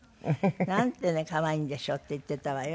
「なんてね可愛いんでしょう」って言ってたわよ。